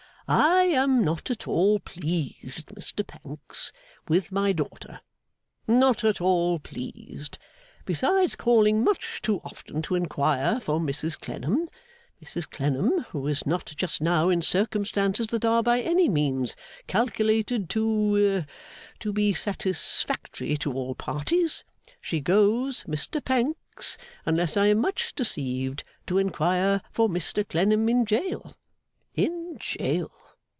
I am not at all pleased, Mr Pancks, with my daughter; not at all pleased. Besides calling much too often to inquire for Mrs Clennam, Mrs Clennam, who is not just now in circumstances that are by any means calculated to to be satisfactory to all parties, she goes, Mr Pancks, unless I am much deceived, to inquire for Mr Clennam in jail. In jail.